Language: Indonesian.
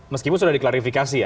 meskipun sudah diklarifikasi